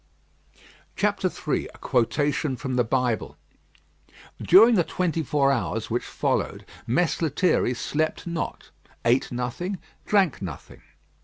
III A QUOTATION FROM THE BIBLE During the twenty four hours which followed, Mess Lethierry slept not, ate nothing, drank nothing.